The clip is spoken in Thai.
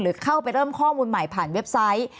เข้าไปเริ่มข้อมูลใหม่ผ่านเว็บไซต์